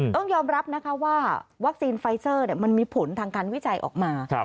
ต้องยอมรับนะคะว่าวัคซีนไฟเซอร์มันมีผลทางการวิจัยออกมา